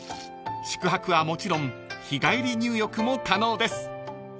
［宿泊はもちろん日帰り入浴も可能です］